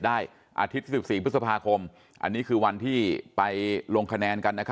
ได้อาทิตย์๑๔พฤษภาคมอันนี้คือวันที่ไปลงคะแนนกันนะครับ